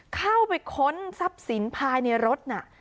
เข้าไปค้นทรัพย์สินภายในรถน่ะ